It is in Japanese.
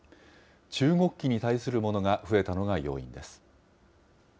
中国機に対するものが増えたのが要因です。